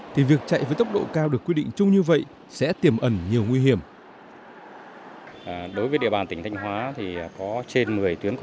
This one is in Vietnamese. thì việc chạy với tốc độ cao được quy định chung như vậy sẽ tiềm ẩn nhiều nguy hiểm